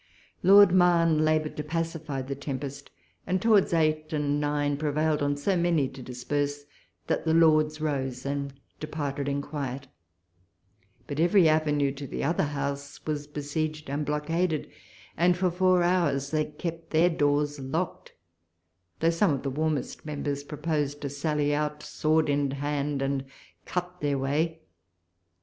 Lord Mahon laboured to pacify the tempest, and towards eight and nine, prevailed on so many to disperse, that the Lords rose and departed in quiet ; but every avenue to the other House was besieged and blockaded, and for four hours they kept their doors locked, though some of the warmest members proposed to sally out, sword in hand, and cut their way.